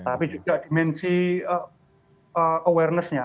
tapi juga dimensi awarenessnya